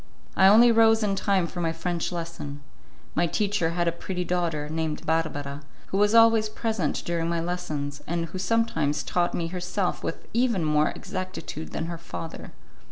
I only rose in time for my French lesson. My teacher had a pretty daughter, named Barbara, who was always present during my lessons, and who sometimes taught me herself with even more exactitude than her father.